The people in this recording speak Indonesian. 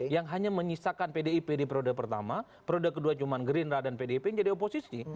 yang hanya menyisakan pdip di periode pertama periode kedua cuma gerindra dan pdip yang jadi oposisi